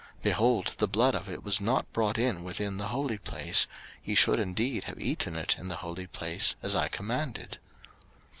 03:010:018 Behold, the blood of it was not brought in within the holy place: ye should indeed have eaten it in the holy place, as I commanded.